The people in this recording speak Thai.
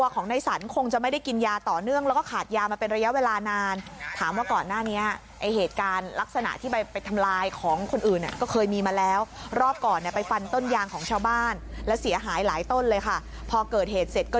ของคนอื่นก็เคยมีมาแล้วรอบก่อนไปฟันต้นยางของชาวบ้านแล้วเสียหายหลายต้นเลยค่ะพอเกิดเหตุเสร็จก็